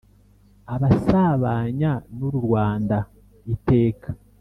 Abasabanya n'u Rwanda iteka